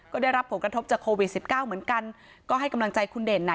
ก็ได้รับผลกระทบจากโควิดสิบเก้าเหมือนกันก็ให้กำลังใจคุณเด่นน่ะ